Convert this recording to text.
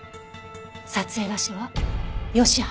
撮影場所はヨシ原。